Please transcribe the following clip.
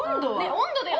温度だよ！